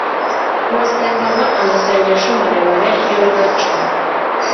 basengaga amasengesho maremare y'urudaca,